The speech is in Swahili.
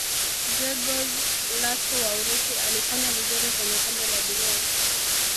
gregorz lato wa urusi alifanya vizuri kwenye kombe la dunia